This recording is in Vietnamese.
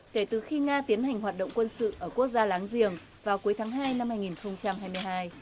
kể từ khi nga tiến hành hoạt động quân sự ở quốc gia láng giềng vào cuối tháng hai năm hai nghìn hai mươi hai